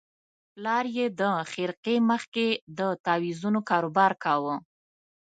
پلار یې د خرقې مخ کې د تاویزونو کاروبار کاوه.